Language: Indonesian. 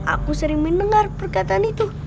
aku sering mendengar perkataan itu